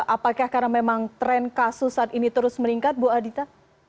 apakah karena memang tren kasus saat ini terus meningkat bu adita